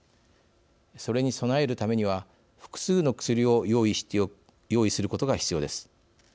それに備えるためには複数の薬を用意することが必要です。